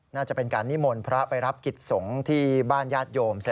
น่าจะเป็นการนิมนต์พระไปรับกิจสงฆ์ที่บ้านญาติโยมซะ